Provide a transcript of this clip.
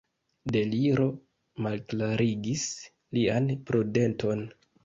Deliro malklarigis lian prudenton.